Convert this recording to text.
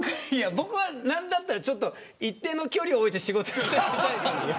僕は何だったらちょっと一定の距離を置いて仕事をしていたいです。